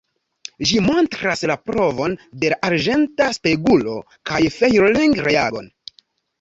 Ĝi montras la provon de la arĝenta spegulo kaj Fehling-reagon.